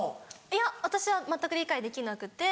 いや私は全く理解できなくて。